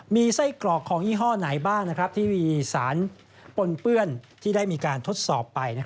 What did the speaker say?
มีไส้กรอกของยี่ห้อไหนบ้างที่มีสารปนเปื้อนที่ได้มีการทดสอบไป